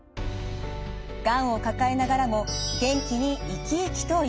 がんを抱えながらも元気に生き生きと生きる。